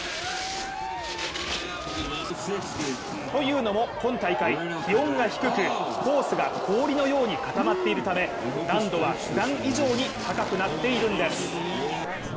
というのも今大会、気温が低くコースが氷のように固まっているため難度はふだん以上に高くなっているんです。